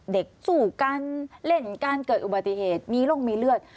เด็กสู่การเล่นการเกิดอุบัติเหตุมีโรคมีเลือด